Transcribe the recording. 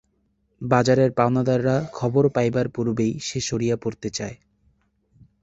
বাজারের পাওনাদাররা খবর পাইবার পূর্বেই সে সরিয়া পড়তে চায়।